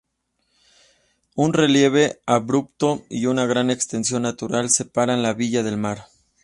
Un relieve abrupto y una gran extensión natural separan la villa del mar.